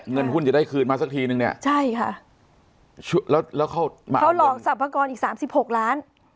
เงินหุ้นจะได้คืนมาสักทีนึงเนี่ยใช่ค่ะแล้วแล้วเขาหลอกสรรพากรอีกสามสิบหกล้าน